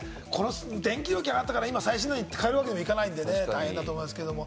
電気料金上がったから最新のに替えるわけにもいかないので、大変だと思いますけれども。